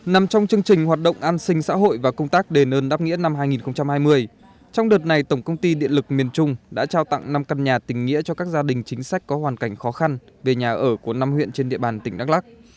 nằm trong chương trình hoạt động an sinh xã hội và công tác đề nơn đáp nghĩa năm hai nghìn hai mươi trong đợt này tổng công ty điện lực miền trung đã trao tặng năm căn nhà tình nghĩa cho các gia đình chính sách có hoàn cảnh khó khăn về nhà ở của năm huyện trên địa bàn tỉnh đắk lắc